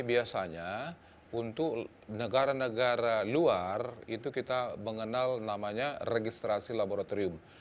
biasanya untuk negara negara luar itu kita mengenal namanya registrasi laboratorium